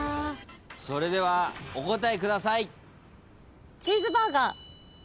それではお答えください。